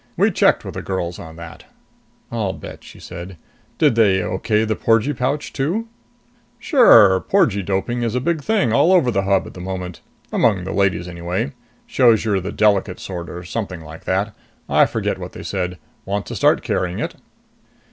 "We checked with the girls on that." "I'll bet!" she said. "Did they okay the porgee pouch too?" "Sure. Porgee doping is a big thing all over the Hub at the moment. Among the ladies anyway. Shows you're the delicate sort, or something like that. I forget what they said. Want to start carrying it?"